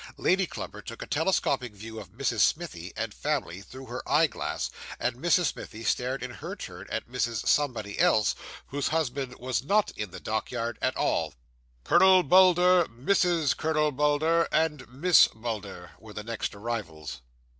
Lady Clubber took a telescopic view of Mrs. Smithie and family through her eye glass and Mrs. Smithie stared in her turn at Mrs. Somebody else, whose husband was not in the dockyard at all. 'Colonel Bulder, Mrs. Colonel Bulder, and Miss Bulder,' were the next arrivals.